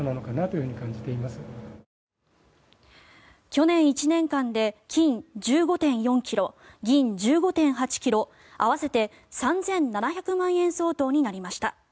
去年１年間で金１５．４ｋｇ、銀１５．８ｋｇ合わせて３７００万円相当になりました。